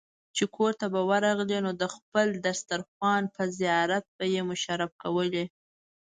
چې کورته به ورغلې نو د خپل دسترخوان په زيارت به يې مشرف کولې.